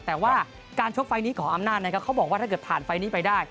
แต่ว่าการชกไฟล์นี้ของอำนาจนะครับเขาบอกว่าถ้าเกิดผ่านไฟล์นี้ไปได้